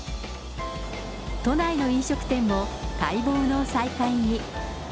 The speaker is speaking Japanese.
都内の飲食店も待望の再開に。